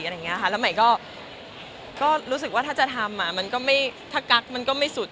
แล้วใหม่ก็รู้สึกว่าถ้าจะทำมันก็ไม่ถ้ากั๊กมันก็ไม่สุด